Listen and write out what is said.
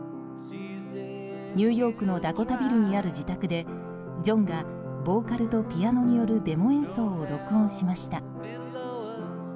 ニューヨークのダコタ・ビルにある自宅でジョンがボーカルとピアノによるデモ演奏を録音しました。